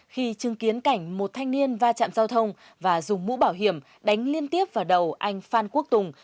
khi chứng kiến cảnh một thanh niên va chạm giao thông và dùng mũ bảo hiểm đánh liên tiếp vào đầu anh phan quốc tùng